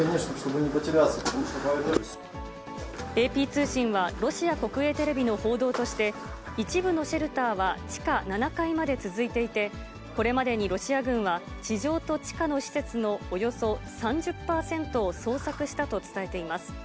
ＡＰ通信は、ロシア国営テレビの報道として、一部のシェルターは地下７階まで続いていて、これまでにロシア軍は、地上と地下の施設のおよそ３０％を捜索したと伝えています。